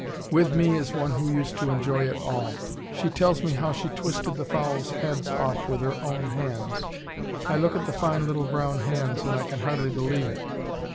"With me is one who used to enjoy it all. She tells me how she twisted the fowls' heads off with her own hands. I look at the fine little brown hands, and I can hardly believe it.